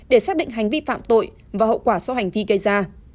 để xác định hành vi phạm tội và hậu quả do hành vi gây ra